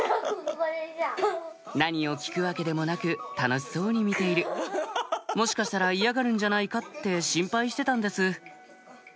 これじゃん。何を聞くわけでもなく楽しそうに見ているもしかしたら嫌がるんじゃないかって心配してたんです